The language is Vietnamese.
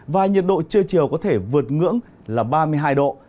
và nhiệt độ trưa chiều có thể vượt ngưỡng là ba mươi hai độ